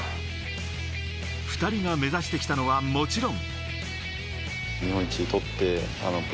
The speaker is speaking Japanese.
２人が目指してきたのはもちろん。